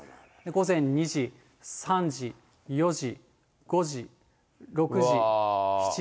午前２時、３時、４時、５時、６時、７時、８時、９時。